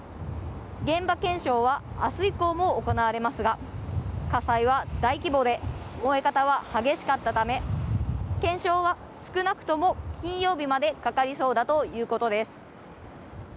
現場検証は明日以降も行われますが火災は大規模で燃え方は激しかったため検証は少なくとも金曜日までかかりそうだということです。